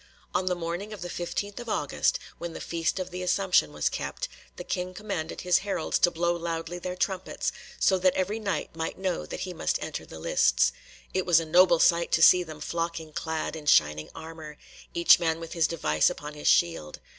On the morning of the fifteenth of August, when the Feast of the Assumption was kept, the King commanded his heralds to blow loudly their trumpets, so that every Knight might know that he must enter the lists. It was a noble sight to see them flocking clad in shining armour, each man with his device upon his shield.